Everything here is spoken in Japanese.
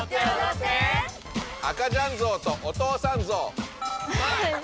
「赤ちゃんゾウ」と「お父さんゾウ」。